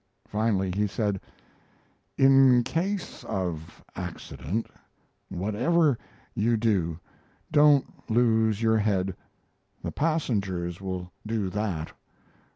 Finally he said: "In case of accident, whatever you do, don't lose your head the passengers will do that.